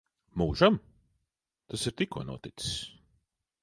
Mūžam? Tas ir tikko noticis.